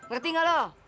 ngerti ga lu